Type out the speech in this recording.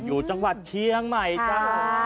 อยู่จังหวัดเชียงใหม่จ้า